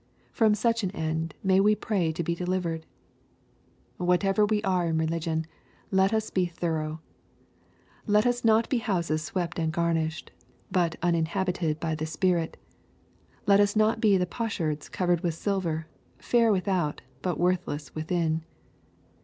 From such an end may we pray to be de livered I Whatever we are in religion, let us be tho rough. Let us not be houses swept and garnished, but uninhabited by the Spirit. Let us not be potsherds covered with silver, fair without, but worthless within.